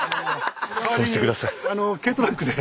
そうして下さい。